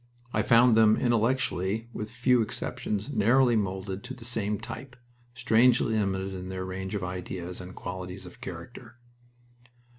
I found them intellectually, with few exceptions, narrowly molded to the same type, strangely limited in their range of ideas and qualities of character.